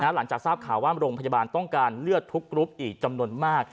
หลังจากทราบข่าวว่าโรงพยาบาลต้องการเลือดทุกกรุ๊ปอีกจำนวนมาก